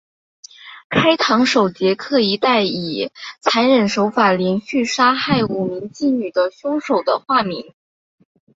开膛手杰克一带以残忍手法连续杀害五名妓女的凶手的化名。